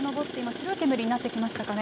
白い煙になってきましたかね。